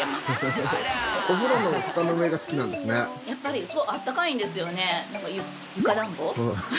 やっぱり。